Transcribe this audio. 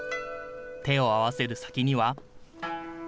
手を合わせる先には。